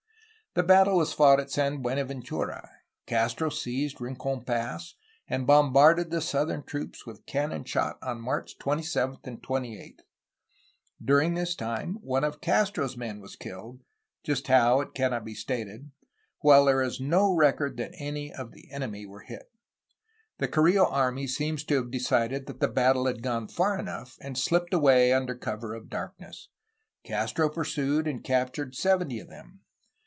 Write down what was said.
The battle was fought at San Buenaven tura. Castro seized Rincon Pass, and bombarded the southern troops with cannon shot on March 27 and 28. During this time one of Castro's men was killed, — ^just how, it cannot be stated, — ^while there is no record that any of the enemy were hit. The Carrillo army seems to have decided that the battle had gone far enough, and shpped away under cover of darkness. Castro pursued, and captured seventy of them.